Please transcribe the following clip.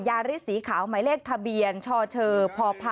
ยาริสสีขาวหมายเลขทะเบียนช่อเชอพพ๖๙๘๕